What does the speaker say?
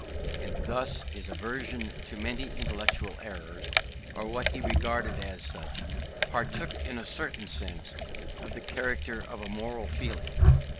And thus, his aversion to many intellectual errors, or what he regarded as such, partook, in a certain sense, of the character of a moral feeling.